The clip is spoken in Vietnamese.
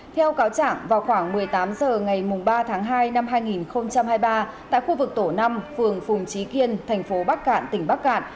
theo cáo chẳng vào khoảng một mươi tám h ngày ba tháng hai năm hai nghìn hai mươi ba tại khu vực tổ năm phường phùng trí kiên thành phố bắc cạn tỉnh bắc cạn